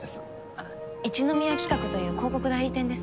あっ一之宮企画という広告代理店です。